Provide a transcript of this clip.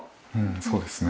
そうですね。